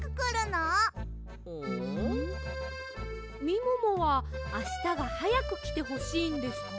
みももはあしたがはやくきてほしいんですか？